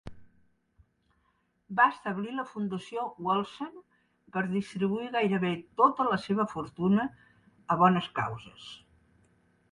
Va establir la fundació Wolfson per distribuir gairebé tota la seva fortuna a bones causes.